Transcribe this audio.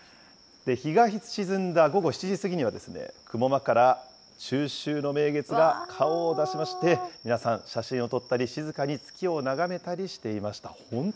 日が沈んだ午後７時過ぎには、雲間から中秋の名月が顔を出しまして、皆さん、写真を撮ったり、静かに月を眺めたりしていました。